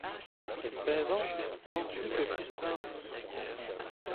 Une saison donc plus que frustrante.